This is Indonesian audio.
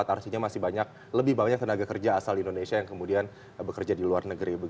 artinya masih banyak lebih banyak tenaga kerja asal indonesia yang kemudian bekerja di luar negeri